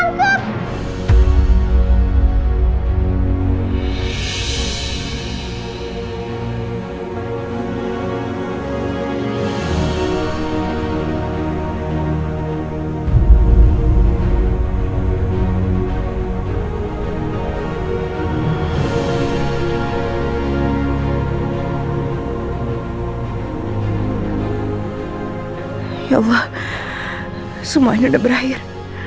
semuanya sudah berakhir